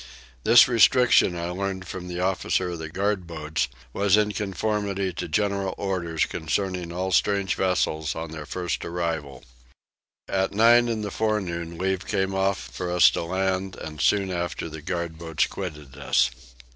This restriction I learnt from the officer of the guard boats was in conformity to general orders concerning all strange vessels on their first arrival. At nine in the forenoon leave came off for us to land and soon after the guard boats quitted us.